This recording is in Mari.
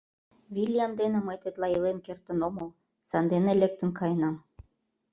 Вилйам дене мый тетла илен кертын омыл, сандене лектын каенам.